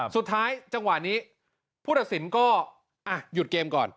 จังหวะนี้ผู้ตัดสินก็หยุดเกมก่อน